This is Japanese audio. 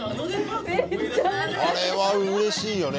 あれはうれしいよね